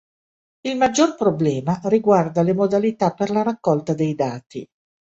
Il maggior problema riguarda le modalità per la raccolta dei dati.